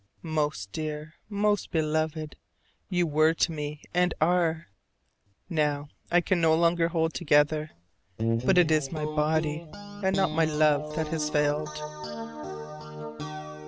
Most dear, most beloved, you were to me and are. Now I can no longer hold together: but it is my body, not my love that has failed.